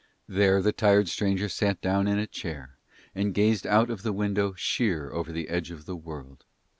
There the tired stranger sat down in a chair and gazed out of the window sheer over the Edge of the World.